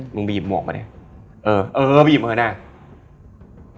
มึงไปหยิบหมวกมาเนี่ยเออเออไปหยิบมาเนี่ย